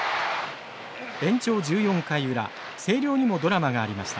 延長１４回裏星稜にもドラマがありました。